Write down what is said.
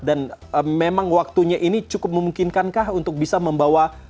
dan memang waktunya ini cukup memungkinkankah untuk bisa membawa